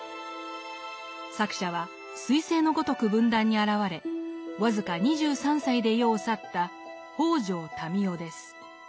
作者は彗星のごとく文壇に現れ僅か２３歳で世を去った北條民雄です。